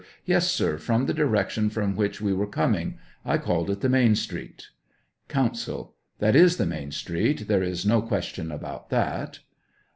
Yes, sir ; from the direction from which we were coming ; I called it the main street. Counsel. That is the main street, there is no question about that.